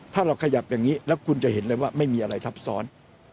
ถ้าเราขยับอย่างนี้แล้วคุณจะเห็นเลยว่าไม่มีอะไรทับซ้อน